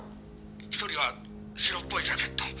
「１人は白っぽいジャケット